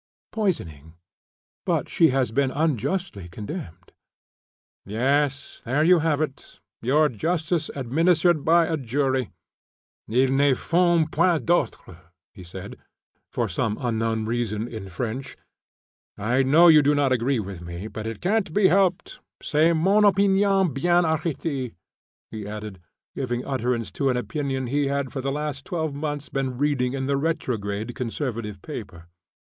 "Poisoning, but she has been unjustly condemned." "Yes, there you have it, your justice administered by jury, ils n'en font point d'autres," he said, for some unknown reason, in French. "I know you do not agree with me, but it can't be helped, c'est mon opinion bien arretee," he added, giving utterance to an opinion he had for the last twelve months been reading in the retrograde Conservative paper.